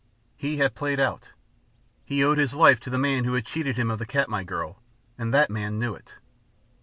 He had played out. He owed his life to the man who had cheated him of the Katmai girl, and that man knew it.